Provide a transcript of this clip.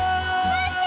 待って！